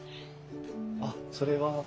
あっそれは？